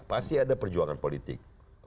pasti ada perjuangan politik